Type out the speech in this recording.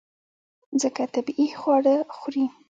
ځکه طبیعي خواړه خوري.